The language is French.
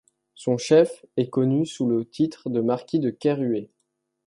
Son chef est connu sous le titre de marquis de Kerhué.